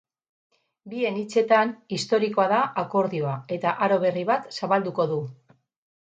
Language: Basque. Bien hitzetan, historikoa da akordioa eta aro berri bat zabalduko du.